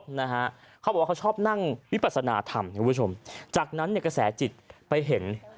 เขาบอกว่าเขาชอบนั่งวิปราศนาธรรมจากนั้นกระแสจิตไปเห็น